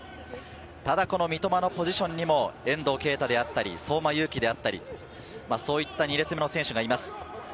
ただ三笘のポジションにも遠藤渓太であったり相馬勇紀であったり、そういった２列目の選手がいます。